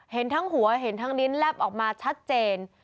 เห็นทั้งหัวเห็นทั้งลิ้นแลบออกมาชัดเจน